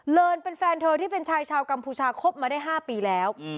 เลินเป็นแฟนเธอที่เป็นชายชาวกัมพูชาคบมาได้๕ปีแล้ว